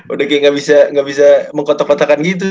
udah kayak gak bisa mengkotak kotakan gitu